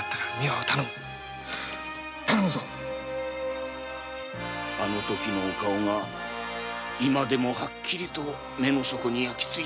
あの時のお顔が今でもはっきり目の底に焼きついております。